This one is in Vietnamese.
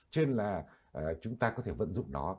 cho nên là chúng ta có thể vận dụng nó